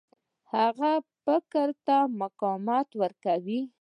هغه فکر ته مقاومت ورکوي.